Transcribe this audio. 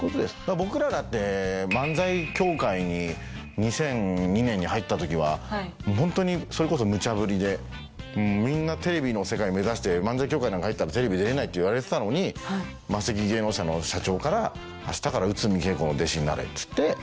僕らだって漫才協会に２００２年に入った時はホントにそれこそムチャブリでみんなテレビの世界を目指して漫才協会なんか入ったらテレビ出れないっていわれてたのにマセキ芸能社の社長から「明日から内海桂子の弟子になれ」っつって。